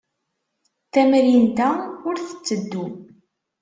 Tamrint-a ur tetteddu.